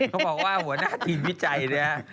เขาบอกว่าหัวหน้าทีมพี่ใจเนี่ย